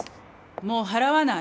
もう払わない！